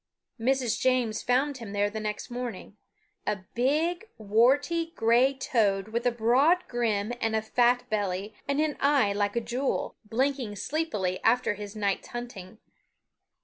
Mrs. James found him there the next morning a big, warty gray toad with a broad grin and a fat belly and an eye like a jewel blinking sleepily after his night's hunting.